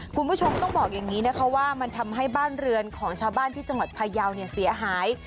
คุณผู้ชมต้องบอกอย่างนี้นะคะว่ามันทำให้บ้านเรือนของชาวบ้านที่จังหวัดพยาวเนี่ยเสียหาย